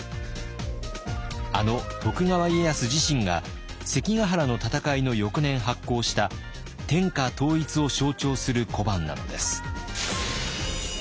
あの徳川家康自身が関ヶ原の戦いの翌年発行した天下統一を象徴する小判なのです。